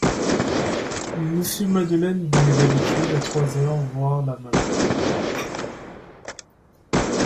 Monsieur Madeleine venait d'habitude à trois heures voir la malade.